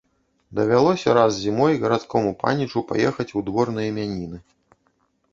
Давялося раз зімой гарадскому панічу паехаць у двор на імяніны.